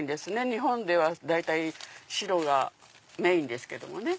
日本では大体白がメインですけどもね。